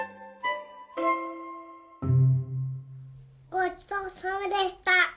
ごちそうさまでした！